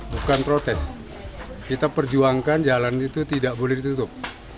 bukan protes kita perjuangkan jalan itu tidak boleh ditutup